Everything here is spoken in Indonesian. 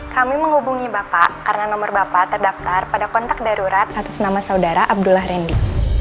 kami menghubungi bapak karena nomor bapak terdaftar pada kontak darurat atas nama saudara abdullah randy